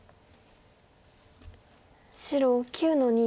白９の二。